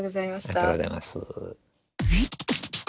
ありがとうございます。